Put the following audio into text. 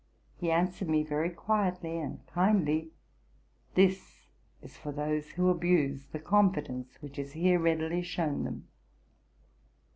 He answered me very quietly and kindly, '' This is for those who abuse the confidence which is here readily shown them."